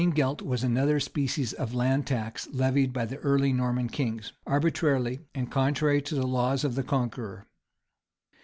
] Danegelt was another species of land tax levied by the early Norman kings, arbitrarily, and contrary to the laws of the Conqueror.